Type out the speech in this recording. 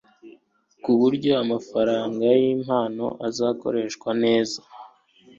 ku buryo amafaranga y impano azakoreshwa neza